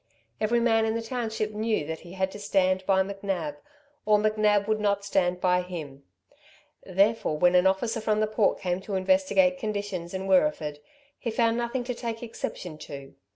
Every man in the township knew that he had to stand by McNab, or McNab would not stand by him; therefore when an officer from the Port came to investigate conditions in Wirreeford, he found nothing to take exception to.